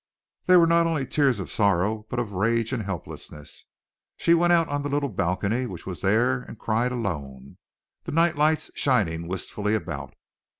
They were not only tears of sorrow, but of rage and helplessness. She went out on a little balcony which was there and cried alone, the night lights shining wistfully about.